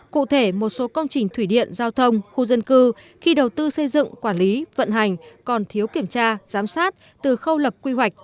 cụ thể một số công trình thủy điện giao thông khu dân cư khi đầu tư xây dựng quản lý vận hành còn thiếu kiểm tra giám sát từ khâu lập quy hoạch